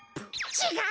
ちがう！